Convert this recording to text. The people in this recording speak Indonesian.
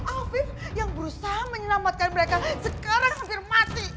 afif yang berusaha menyelamatkan mereka sekarang hampir mati